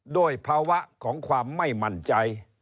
ด้วยภาวะของความไม่มั่นใจ